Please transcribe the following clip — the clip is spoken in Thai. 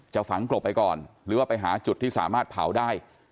ฝังกลบไปก่อนหรือว่าไปหาจุดที่สามารถเผาได้